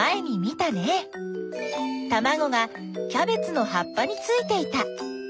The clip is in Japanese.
たまごがキャベツのはっぱについていた。